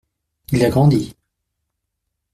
Il a grandi.